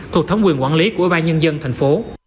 thuộc thống quyền quản lý của ủy ban nhân dân tp